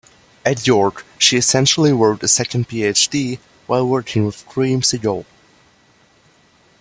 At York, she "essentially wrote a second PhD" while working with Graeme Segal.